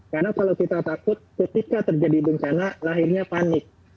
karena kalau kita takut ketika terjadi bencana lahirnya panik